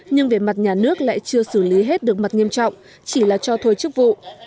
nhưng về mặt nhà nước lại chưa xử lý hết được mặt nghiêm trọng chỉ là cho thôi chức vụ